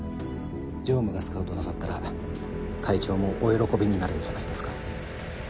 常務がスカウトなさったら会長もお喜びになるんじゃないですか？